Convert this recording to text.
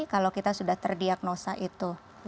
kalau kita sudah terdiagnosa itu